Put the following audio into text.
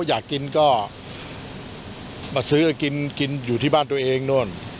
อยากกินก็มาซื้อกินอยู่ที่บ้านตัวเองโน่น